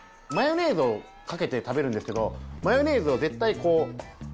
マヨネーズをかけて食べるんですけどマヨネーズを絶対こう。